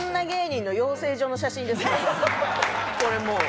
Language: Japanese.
これもう。